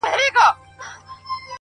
اخلاق د انسان تلپاتې شهرت دی!